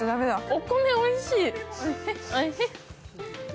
お米おいしい。